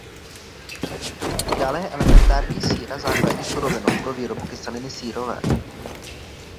Dále je elementární síra základní surovinou pro výrobu kyseliny sírové.